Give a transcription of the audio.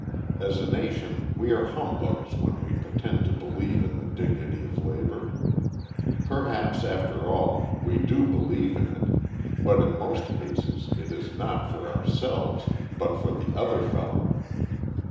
As a nation we are humbugs when we pretend to believe in the dignity of labor. Perhaps, after all, we do believe in it, but in most cases it is not for ourselves, but for "the other fellow."